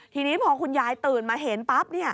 ทีนี้พอคุณยายตื่นมาเห็นปั๊บ